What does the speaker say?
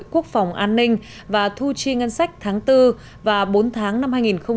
quốc phòng an ninh và thu chi ngân sách tháng bốn và bốn tháng năm hai nghìn hai mươi